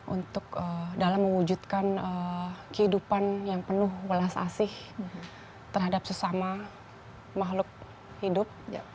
untuk dalam mewujudkan kehidupan yang penuh balas asih terhadap sesama makhluk hidup